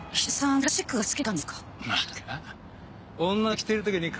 クラシックが好きだったんですか？